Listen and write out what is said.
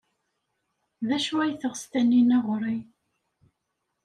D acu ay teɣs Taninna ɣer-i?